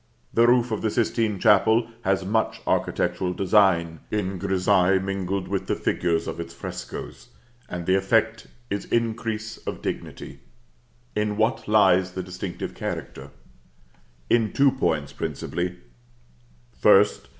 The roof of the Sistine Chapel has much architectural design in grissaille mingled with the figures of its frescoes; and the effect is increase of dignity. In what lies the distinctive character? In two points, principally: First.